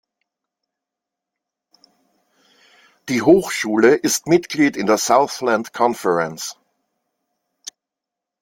Die Hochschule ist Mitglied in der "Southland Conference".